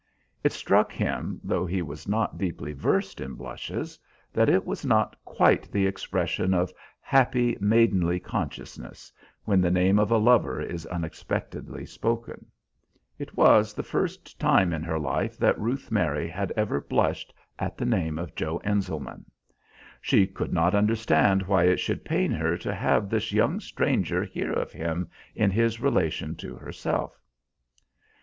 It struck him, though he was not deeply versed in blushes, that it was not quite the expression of happy, maidenly consciousness, when the name of a lover is unexpectedly spoken. It was the first time in her life that Ruth Mary had ever blushed at the name of Joe Enselman. She could not understand why it should pain her to have this young stranger hear of him in his relation to herself.